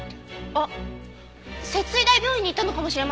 あっ摂津医大病院に行ったのかもしれませんよ。